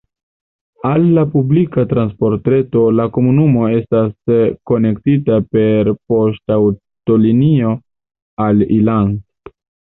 Al la publika transportreto la komunumo estas konektita per poŝtaŭtolinio al Ilanz.